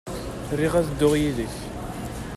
Riɣ ad dduɣ yid-k.